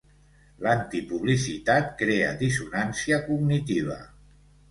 L'antipublicitat crea dissonància cognitiva.